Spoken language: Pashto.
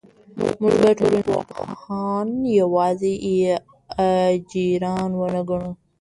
موږ باید ټولنپوهان یوازې اجیران ونه ګڼو.